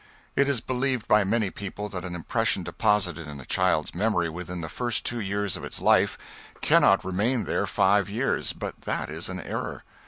It is believed by many people that an impression deposited in a child's memory within the first two years of its life cannot remain there five years, but that is an error.